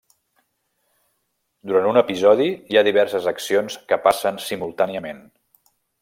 Durant un episodi, hi ha diverses accions que passen simultàniament.